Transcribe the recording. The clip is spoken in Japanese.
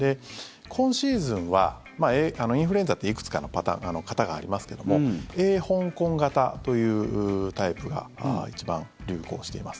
今シーズンはインフルエンザっていくつかの型がありますけどもＡ香港型というタイプが一番流行しています。